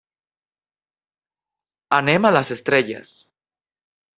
Anem a les estrelles.